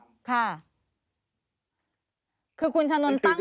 ค่ะคือคุณชะนุนตั้ง